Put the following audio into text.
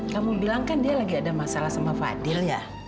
kamu bilang kan dia lagi ada masalah sama fadil ya